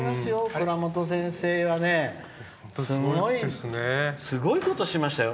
倉本先生はねすごいことしましたよ。